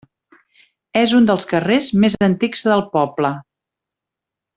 És un dels carrers més antics del poble.